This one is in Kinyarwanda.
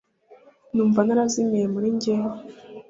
numva narazimiye muri njye